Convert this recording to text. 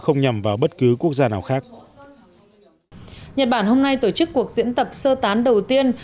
không nhằm vào bất cứ quốc gia nào khác nhật bản hôm nay tổ chức cuộc diễn tập sơ tán đầu tiên